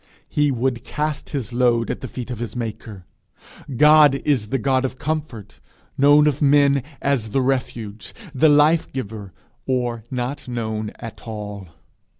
He would cast his load at the feet of his maker! God is the God of comfort, known of man as the refuge, the life giver, or not known at all.